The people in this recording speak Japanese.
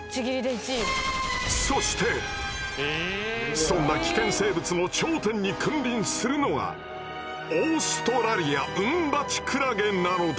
そしてそんな危険生物の頂点に君臨するのがオーストラリアウンバチクラゲなのだ。